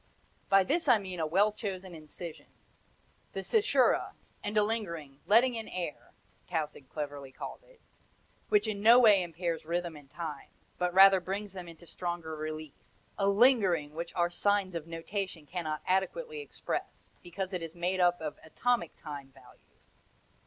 By this I mean a well chosen incision the cesura, and a lingering "letting in air," Tausig cleverly called it which in no way impairs rhythm and time, but rather brings them into stronger relief; a LINGERING which our signs of notation cannot adequately express, because it is made up of atomic time values.